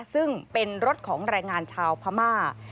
ซึ่งเป็นรถของแรงงานชาวพม่า